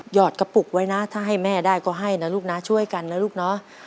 อดกระปุกไว้นะถ้าให้แม่ได้ก็ให้นะลูกนะช่วยกันนะลูกเนาะ